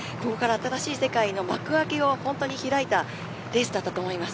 ここから新しい世界の幕開けを開いたレースだったと思います。